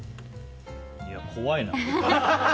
怖いな。